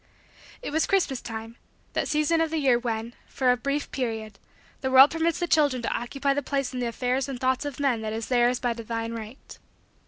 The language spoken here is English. It was Christmas time; that season of the year when, for a brief period, the world permits the children to occupy the place in the affairs and thoughts of men that is theirs by divine right.